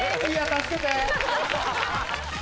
助けて！